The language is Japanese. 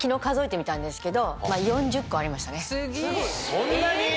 そんなに？